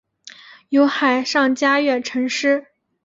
有海上嘉月尘诗。